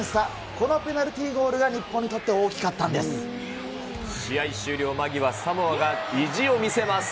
このペナルティーゴールが日本に試合終了間際、サモアが意地を見せます。